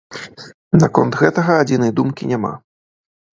Наконт гэтага адзінай думкі няма.